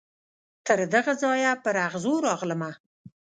تر دغه ځایه پر اغزو راغلمه